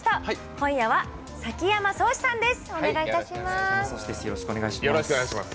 今夜は崎山蒼志さんです。